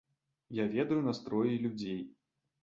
Я ведаю настроі людзей.